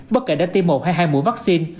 bất kể đã tiêm một hay hai mũi vaccine